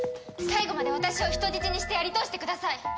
最後まで私を人質にしてやり通してください！